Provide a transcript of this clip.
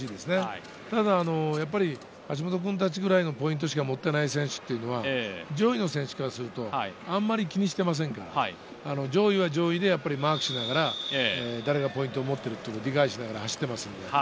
ただ橋本君たちぐらいのポイントしか持っていない選手は上位の選手からするとあまり気にしていませんから、上位は上位でマークしながら誰がポイントを持っていることを理解しながら走っています。